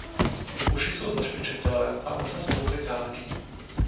Uši jsou zašpičatělé a ocas pouze krátký.